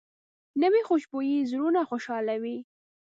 نوې خوشبويي زړونه خوشحالوي